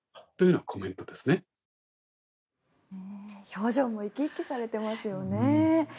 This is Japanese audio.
表情も生き生きされてますよね。